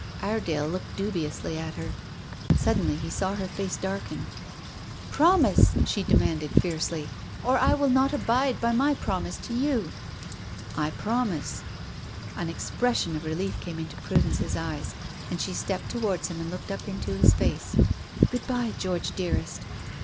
Iredale looked dubiously at her. Suddenly he saw her face darken. "Promise!" she demanded almost fiercely, "or I will not abide by my promise to you." "I promise." An expression of relief came into Prudence's eyes, and she stepped towards him and looked up into his face. "Good bye, George, dearest."